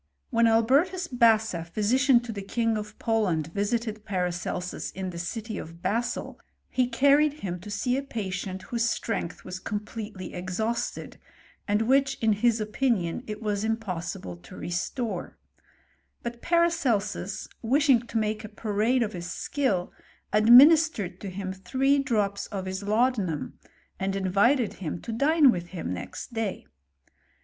When Albertus Basa, physician to the king of Poland, visited Paracelsus in the city of Basle, he carried him to see ^ patient whose strength was completely exhausted, ^d which, in his opinion, it was impossible to restore ; but Paracelsus, wishing to make a parade of his skill, administered to him three drops of his laudanum, and invited him to dine with him next day.